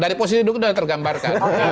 dari posisi duduk sudah tergambarkan